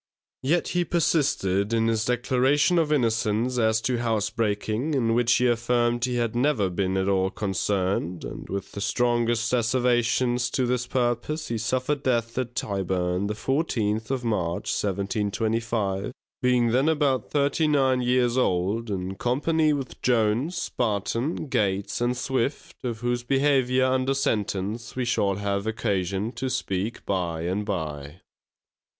Yet he persisted in his declaration of innocence as to housebreaking, in which he affirmed he had never been at all concerned; and with the strongest asservations to this purpose, he suffered death at Tyburn, the fourteenth of March, 1725, being then about thirty nine years old, in company with Jones, Barton, Gates and Swift, of whose behaviour under sentence we shall have occasion to speak by and by.